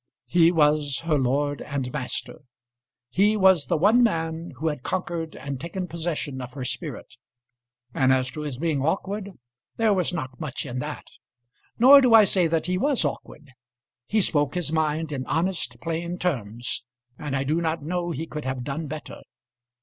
He was her lord and master. He was the one man who had conquered and taken possession of her spirit; and as to his being awkward, there was not much in that. Nor do I say that he was awkward. He spoke his mind in honest, plain terms, and I do not know he could have done better.